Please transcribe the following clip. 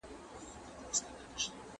محصلين دې څانګې ته ځانګړې ليوالتيا لري.